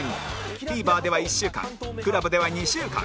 ＴＶｅｒ では１週間 ＣＬＵＢ では２週間